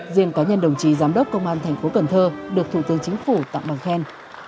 riêng cá nhân đồng chí giám đốc công an tp cn được thủ tướng chính phủ tặng bằng khen